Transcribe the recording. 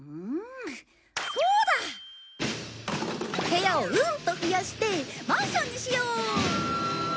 部屋をうんと増やしてマンションにしよう！